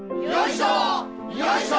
よいしょ！